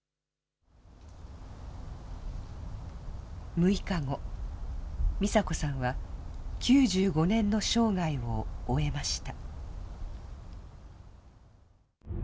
６日後、ミサ子さんは９５年の生涯を終えました。